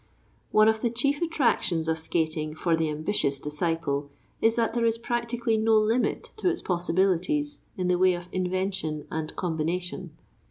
One of the chief attractions of skating for the ambitious disciple is that there is practically no limit to its possibilities in the way of invention and combination.